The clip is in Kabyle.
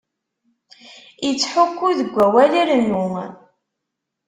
Ittḥukku deg awal irennu.